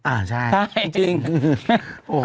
อ้าวใช่จริงใช่